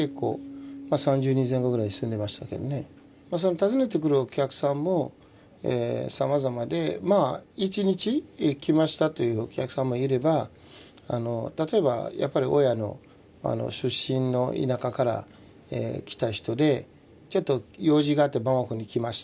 訪ねてくるお客さんもさまざまでまあ１日来ましたというお客さんもいれば例えばやっぱり親の出身の田舎から来た人でちょっと用事があってバマコに来ました。